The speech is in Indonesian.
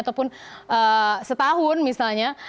ataupun setahun misalnya